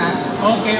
dan pemprov gki